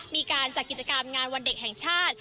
มีการจัดกิจกรรมงานวันเด็กแห่งชาติ